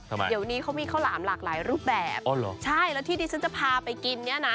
ทำไมเดี๋ยวนี้เขามีข้าวหลามหลากหลายรูปแบบอ๋อเหรอใช่แล้วที่ดิฉันจะพาไปกินเนี้ยน่ะ